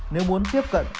nếu muốn tiếp cận